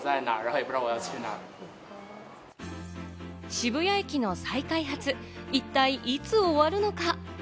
渋谷駅の再開発、一体いつ終わるのか？